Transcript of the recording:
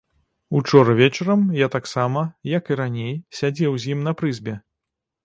Учора вечарам я таксама, як і раней, сядзеў з ім на прызбе.